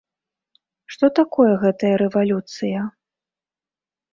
Што такое гэтая рэвалюцыя?